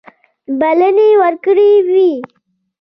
بلنې ورکړي وې.